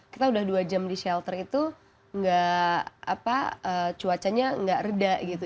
kita udah dua jam di shelter itu cuacanya nggak reda gitu